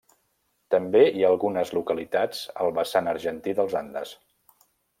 També hi ha algunes localitats al vessant argentí dels Andes.